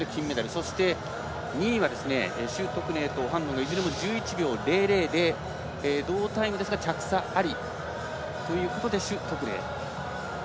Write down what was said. そして、２位は朱徳寧とオハンロンがいずれも１１秒００で同タイムですが着差ありということで朱徳寧。